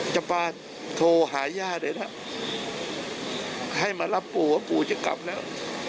จะมาโทรหาย่าได้แล้วให้มารับปู่ว่าปู่จะกลับแล้ว